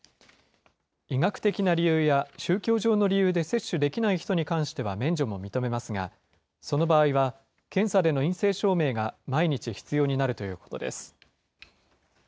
医学的な理由や宗教上の理由で接種できない人に関しては免除も認めますが、その場合は、検査での陰性証明が毎日必要になるということです。